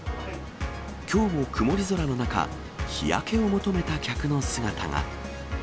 きょうも曇り空の中、日焼けを求めた客の姿が。